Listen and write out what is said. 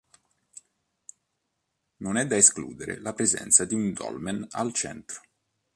Non è da escludere la presenza di un dolmen al centro.